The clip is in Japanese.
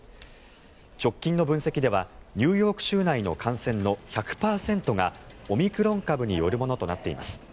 直近の分析ではニューヨーク州内の感染の１００％がオミクロン株によるものとなっています。